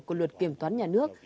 của luật kiểm toán nhà nước